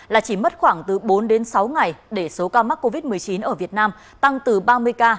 là chỉ mất khoảng từ bốn đến sáu ngày để số ca mắc covid một mươi chín ở việt nam tăng từ ba mươi ca